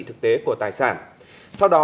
thực tế của tài sản sau đó